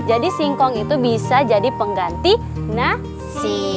jadi singkong itu bisa jadi pengganti nasi